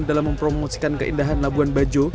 dalam mempromosikan keindahan labuan bajo